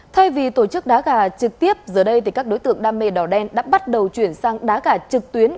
thay vì tổ chức đá gà trực tiếp giờ đây các đối tượng đam mê đỏ đen đã bắt đầu chuyển sang đá gà trực tuyến